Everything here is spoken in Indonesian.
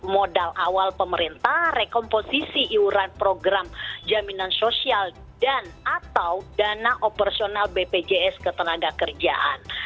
modal awal pemerintah rekomposisi iuran program jaminan sosial dan atau dana operasional bpjs ketenaga kerjaan